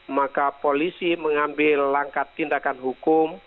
maka polisi mengambil langkah tindakan hukum